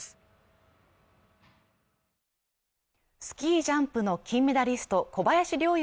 スキージャンプの金メダリスト小林陵